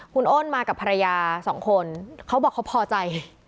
คุณอ้นมากับภรรยาสองคนเขาบอกเขาพอใจ